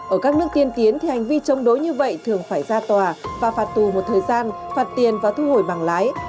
ở các nước tiên tiến thì hành vi chống đối như vậy thường phải ra tòa và phạt tù một thời gian phạt tiền và thu hồi bằng lái